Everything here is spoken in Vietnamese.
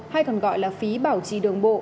hay còn gọi là phí bảo trì đường bộ